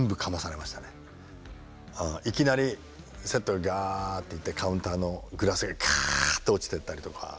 いきなりセットがガーッていってカウンターのグラスがガーッて落ちてったりとか。